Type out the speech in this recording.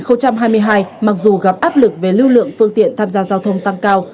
sáu tháng đầu năm hai nghìn hai mươi hai mặc dù gặp áp lực về lưu lượng phương tiện tham gia giao thông tăng cao